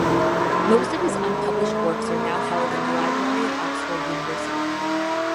Most of his unpublished works are now held in the library of Oxford University.